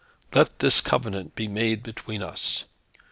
Let this covenant be made between us.